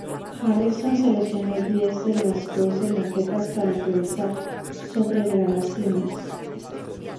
Harrison seleccionó diez de las doce maquetas para realizar sobregrabaciones.